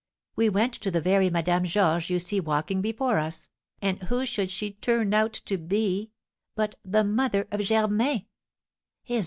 We went to the very Madame Georges you see walking before us, and who should she turn out to be but the mother of Germain!"